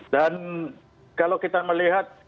dan kalau kita melihat